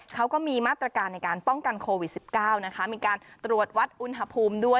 เขาก็มีมาตรการในการป้องกันโควิด๑๙นะคะมีการตรวจวัดอุณหภูมิด้วย